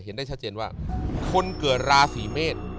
เห็นได้ชัดเจนว่าคนเกิดราศีเมษ